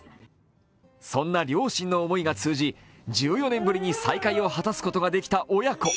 そんな両親の思いが通じ、１４年ぶりに再会を果たした親子。